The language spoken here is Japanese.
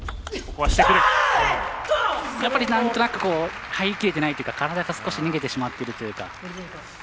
やっぱり、なんとなく入りきれてないというか体が少し逃げてしまっているというか。